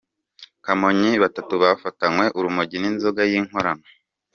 Kamonyi Batatu bafatanwe urumogi n’inzoga y’inkorano